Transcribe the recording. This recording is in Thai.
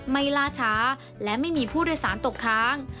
ไม่ลาชาและไม่มีผู้เรียสานตกค้าง